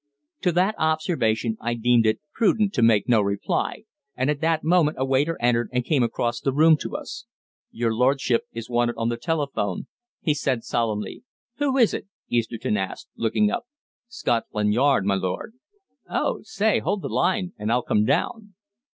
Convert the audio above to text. To that observation I deemed it prudent to make no reply, and at that moment a waiter entered and came across the room to us. "Your lordship is wanted on the telephone," he said solemnly. "Who is it?" Easterton asked, looking up. "Scotland Yard, my lord." "Oh, say, hold the line, and I'll come down."